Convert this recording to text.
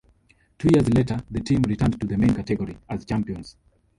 Two years later the team returned to the main category, as champions.